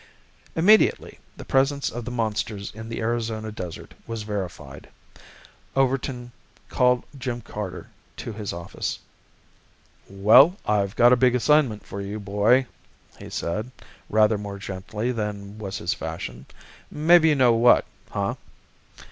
Immediately the presence of the monsters in the Arizona desert was verified, Overton called Jim Carter to his desk. "Well, I've got a big assignment for you, boy," he said, rather more gently than was his fashion. "Maybe you know what, huh?"